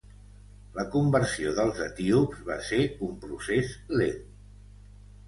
La conversió dels etíops va ser un procés lent.